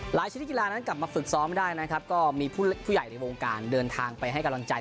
ชนิดกีฬานั้นกลับมาฝึกซ้อมได้นะครับก็มีผู้ใหญ่ในวงการเดินทางไปให้กำลังใจ